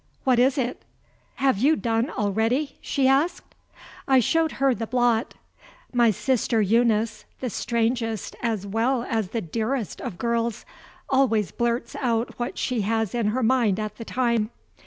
"What is it?" "Have you done already?" she asked. I showed her the blot. My sister Eunice (the strangest as well as the dearest of girls) always blurts out what she has in her mind at the time.